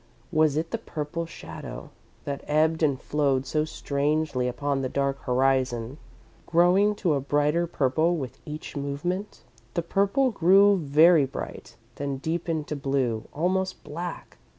Was it the purple shadow, that ebbed and flowed so strangely upon his dark horizon, growing to a brighter purple with each movement? The purple grew very bright, then deepened to blue almost black.